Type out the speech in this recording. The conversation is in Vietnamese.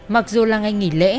mặc dù là ngay nghỉ lễ